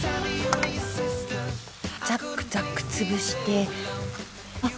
ザックザック潰してあっ！